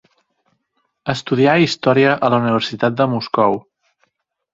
Estudià història a la Universitat de Moscou.